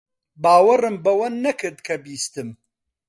باوەڕم بەوە نەکرد کە بیستم.